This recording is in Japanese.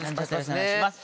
お願いします。